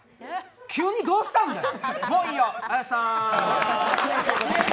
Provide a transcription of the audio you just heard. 急にどうしたんだよ。